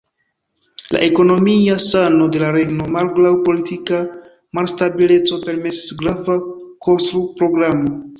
La ekonomia sano de la regno, malgraŭ politika malstabileco, permesis grava konstru-programo.